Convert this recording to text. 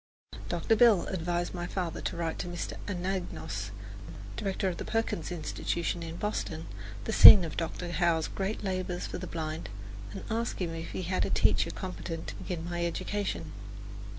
Dr. Bell advised my father to write to Mr. Anagnos, director of the Perkins Institution in Boston, the scene of Dr. Howe's great labours for the blind, and ask him if he had a teacher competent to begin my education.